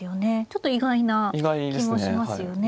ちょっと意外な気もしますよね。